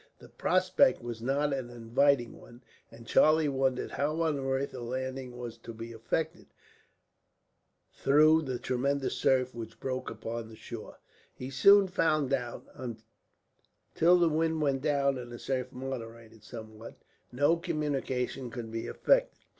The prospect was not an inviting one, and Charlie wondered how on earth a landing was to be effected, through the tremendous surf which broke upon the shore. He soon found that, until the wind went down and the surf moderated somewhat, no communication could be effected.